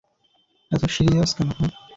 এতো সিরিয়াস কেন, হাহ?